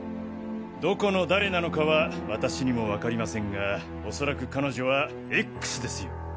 どこの誰なのかは私にも分かりませんがおそらく彼女はＸですよ。